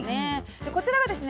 でこちらはですね